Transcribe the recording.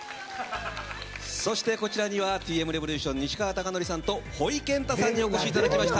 そして、こちらにはＴ．Ｍ．Ｒｅｖｏｌｕｔｉｏｎ西川貴教さんとほいけんたさんにお越しいただきました